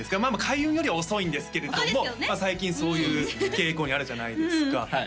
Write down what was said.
まあまあ開運よりは遅いんですけれども最近そういう傾向にあるじゃないですか？